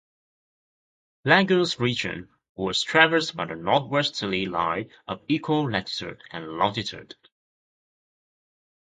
Lagunes Region was traversed by a northwesterly line of equal latitude and longitude.